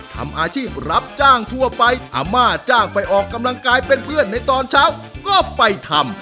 ทำอาชีพรับจ้างทั่วไปอาม่าจ้างไปออกกำลังกายเป็นเพื่อนในตอนเช้าก็ไปทำ